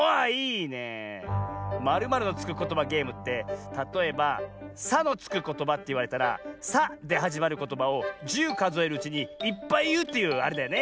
ことばゲームってたとえば「さ」のつくことばっていわれたら「さ」ではじまることばを１０かぞえるうちにいっぱいいうというあれだよね？